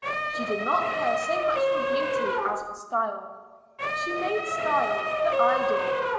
She did not care so much for beauty as for style; she made style her idol.